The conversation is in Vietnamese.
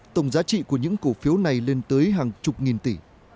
tổng giá trị của những cổ phiếu này lên tới hàng chục nghìn tỷ